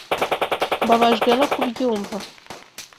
Mbabajwe no kubyumva.